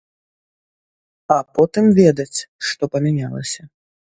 А потым ведаць, што памянялася.